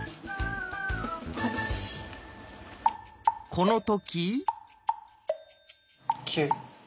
この時。